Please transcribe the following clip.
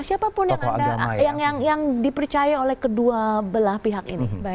siapa pun yang dipercaya oleh kedua belah pihak ini